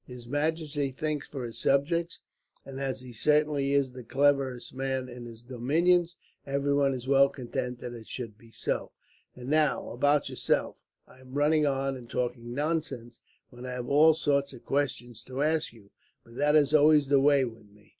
His majesty thinks for his subjects, and as he certainly is the cleverest man in his dominions, everyone is well content that it should be so. "And now, about yourself. I am running on and talking nonsense, when I have all sorts of questions to ask you. But that is always the way with me.